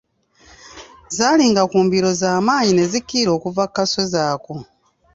Zajjiranga ku mbiro z'amaanyi ne zikkirira okuva ku kasozi ako.